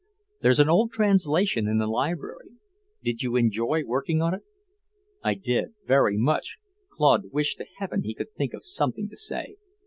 There's an old translation in the Library. Did you enjoy working on it?" "I did, very much." Claude wished to heaven he could think of something to say.